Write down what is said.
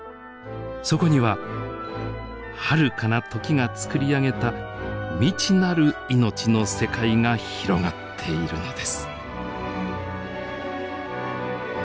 そこにははるかな時が作り上げた未知なる命の世界が広がっているのです。